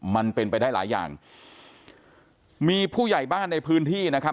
มันเป็นไปได้หลายอย่างมีผู้ใหญ่บ้านในพื้นที่นะครับ